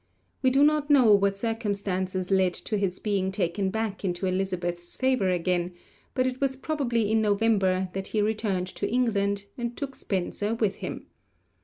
We do not know what circumstances led to his being taken back into Elizabeth's favour again, but it was probably in November that he returned to England, and took Spenser with him.